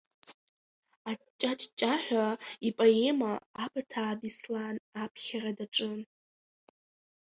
Аҷҷаҷҷаҳәа ипоема Абаҭаа Беслан аԥхьара даҿын.